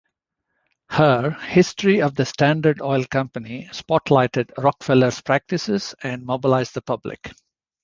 Her "History of the Standard Oil Company" spotlighted Rockefeller's practices and mobilized the public.